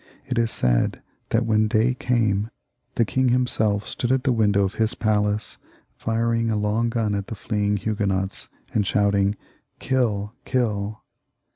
It is said that when day came the king hunself stood at the window of his palace, firing a long gui at the fleeing Huguenots, and shouting, " Kill, kill."